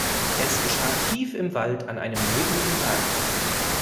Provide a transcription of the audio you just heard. Es geschah tief im Wald an einem nebeligen Tag.